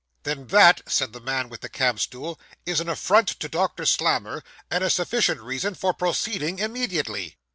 'Then, that,' said the man with the camp stool, 'is an affront to Doctor Slammer, and a sufficient reason for proceeding immediately.